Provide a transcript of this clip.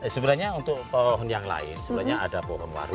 sebenarnya untuk pohon yang lain sebenarnya ada pohon baru